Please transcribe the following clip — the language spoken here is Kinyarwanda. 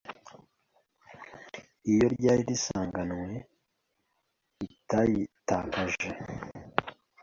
iyo ryari risanganywe ritayitakaje